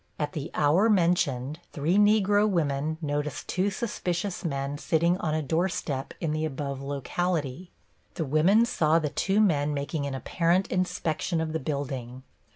At the hour mentioned, three Negro women noticed two suspicious men sitting on a door step in the above locality. The women saw the two men making an apparent inspection of the building.